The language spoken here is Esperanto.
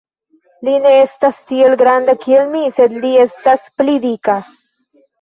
Li ne estas tiel granda kiel mi, sed li estas pli dika.